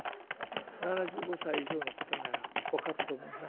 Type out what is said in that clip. ７５歳以上の方なら分かると思います」。